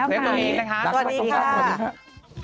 เทพตัวเอง